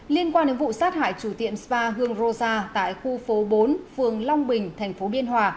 liên quan đến vụ sát hại chủ tiệm spa hương rosa tại khu phố bốn phường long bình thành phố biên hòa